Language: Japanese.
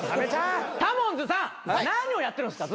タモンズさん何をやってるんすか？